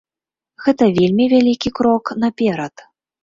Гэта вельмі вялікі крок наперад.